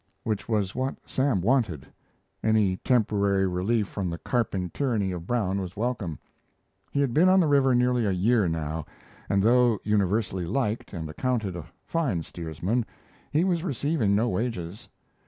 Which was what Sam wanted. Any temporary relief from the carping tyranny of Brown was welcome. He had been on the river nearly a year now, and, though universally liked and accounted a fine steersman, he was receiving no wages.